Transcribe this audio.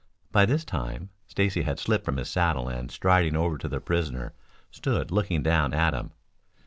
By this time Stacy had slipped from his saddle and striding over to the prisoner stood looking down at him.